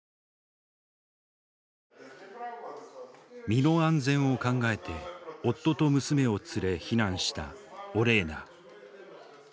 身の安全を考えて夫と娘を連れ避難したオレーナ。